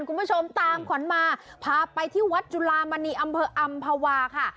คุณผู้ชมตามขวัญมาพาไปที่วัดจุลามณีอำเภออำภาวาค่ะ